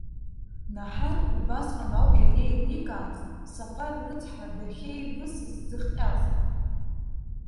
Наҳар убасҟан ауп ианеиликааз Сафар рыцҳа дахьеивысыз зыхҟьаз.